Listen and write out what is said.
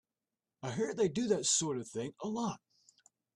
I hear they do that sort of thing a lot.